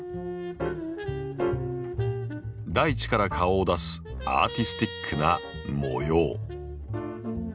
大地から顔を出すアーティスティックな模様。